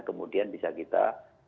kemudian bisa kita